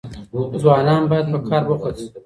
ځوانان بايد په کار بوخت سي.